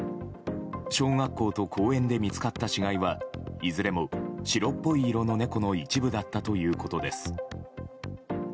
小学校と公園で見つかった死骸はいずれも白っぽい色の猫の一部だったということです。